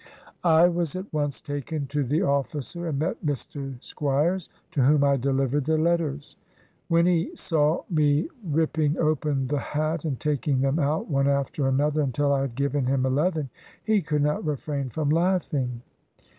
I was at once taken to the officer and met Mr. Squiers, to whom I delivered the letters. When he saw me rip ping open the hat and taking them out, one after another until I had given him eleven, he could not refrain from laughing.